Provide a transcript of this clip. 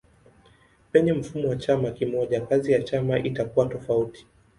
Penye mfumo wa chama kimoja kazi ya chama itakuwa tofauti.